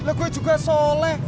lah gue juga soleh